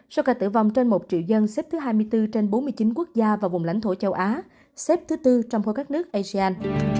số ca tử vong trên một triệu dân xếp thứ hai mươi bốn trên bốn mươi chín quốc gia và vùng lãnh thổ châu á xếp thứ tư trong khối các nước asean